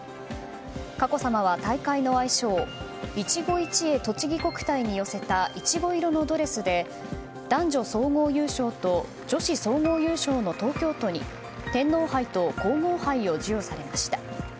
佳子さまは大会の愛称いちご一会とちぎ国体に寄せたイチゴ色のドレスで男女総合優勝と女子総合優勝の東京都に天皇杯と皇后杯を授与されました。